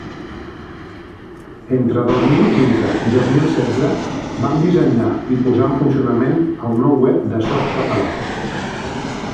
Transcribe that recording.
Entre dos mil quinze i dos mil setze, vam dissenyar i posar en funcionament el nou web de Softcatalà.